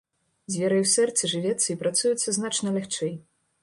З верай у сэрцы жывецца і працуецца значна лягчэй.